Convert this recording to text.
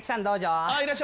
いらっしゃいませ。